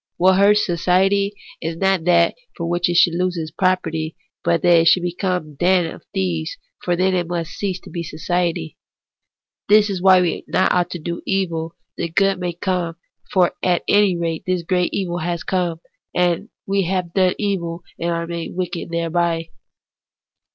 What hurts society is not that it should lose its property, but that it should become a den of thieves ; for then it must cease to be society. This is why we ought not to do evil that good may come ; for at any rate this great evil has come, that we have done evil and are made wicked thereby.